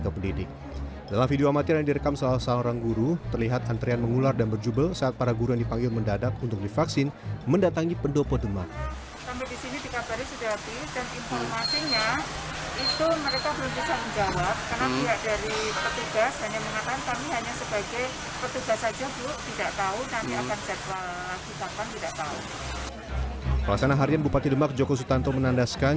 pelasana harian bupati demak joko sutanto menandaskan